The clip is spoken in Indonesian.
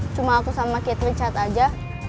cuma aku sama ketri cat aja